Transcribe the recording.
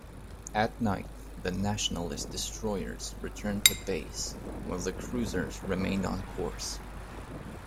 At night, the Nationalist destroyers returned to base, while the cruisers remained on course.